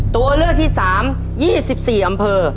ตัวเลือกที่๓๒๔อำเภอ